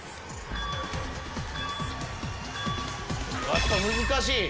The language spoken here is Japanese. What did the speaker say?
やっぱ難しい？